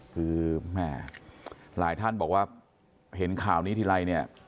คือแม่หลายท่านบอกว่าเห็นข่าวนี้ทีไรเนี่ย